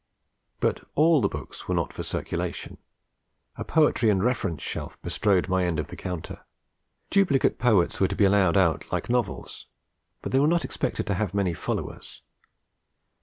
But all the books were not for circulation; a Poetry and Reference Shelf bestrode my end of the counter. Duplicate Poets were to be allowed out like novels; but they were not expected to have many followers.